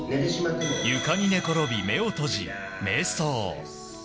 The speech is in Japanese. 床に寝転び目を閉じ、瞑想。